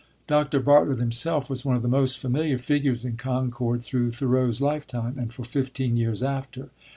Dr. Bartlett himself was one of the most familiar figures in Concord through Thoreau's life time, and for fifteen years after.